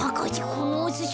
このおすし